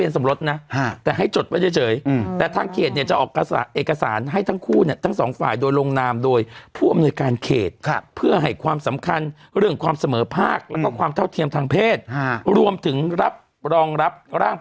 สำหรับอีกนิดหนึ่งเขาบอกอ่ะผลิตภัณฑ์ล่ะอ่า